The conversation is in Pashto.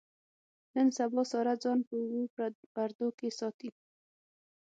نن سبا ساره ځان په اوو پردو کې ساتي.